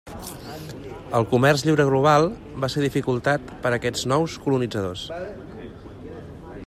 El comerç lliure global va ser dificultat per aquests nous colonitzadors.